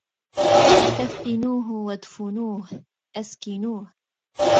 كفنوه وادفنوه أسكنوه